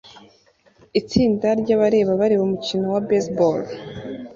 Itsinda ryabareba bareba umukino wa baseball